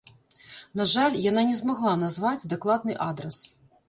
На жаль, яна не змагла назваць дакладны адрас.